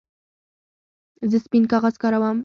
زه سپین کاغذ کاروم.